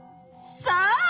さあ